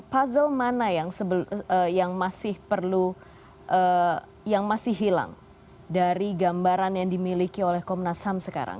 puzzle mana yang masih hilang dari gambaran yang dimiliki oleh komnas ham sekarang